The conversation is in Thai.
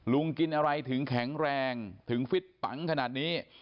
กินอะไรถึงแข็งแรงถึงฟิตปังขนาดนี้